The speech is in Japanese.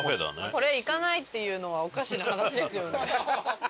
これ行かないっていうのはおかしな話ですよね。